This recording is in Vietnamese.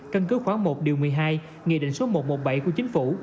cân cứ khoá một điều một mươi hai nghị định số một trăm một mươi bảy của chính phủ